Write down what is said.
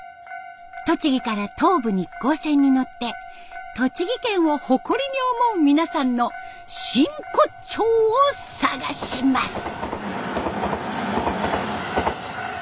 栃木から東武日光線に乗って栃木県を誇りに思う皆さんの真骨頂を探します。